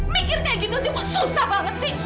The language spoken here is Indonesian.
mikirnya gitu cukup susah banget sih